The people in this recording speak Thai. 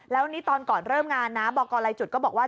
แล้วนี่ตอนก่อนเริ่มงานนะบอกกรลายจุดก็บอกว่า